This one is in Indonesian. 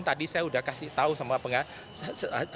tadi saya sudah kasih tahu sama pengawas